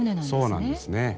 そうなんですね。